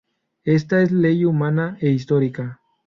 Esta es ley humana e histórica.